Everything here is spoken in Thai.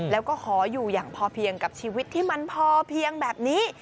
แล้วก็ขออยู่อย่างพอเพียงกับชีวิตที่มันพอเพียงแบบนี้